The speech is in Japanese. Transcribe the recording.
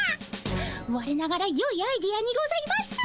われながらよいアイデアにございます。